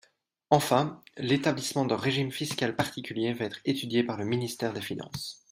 Enfin, l’établissement d’un régime fiscal particulier va être étudié par le ministère des finances.